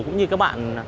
cũng như các bạn